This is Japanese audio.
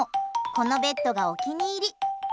このベッドがお気に入り。